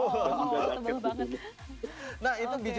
wow tebal banget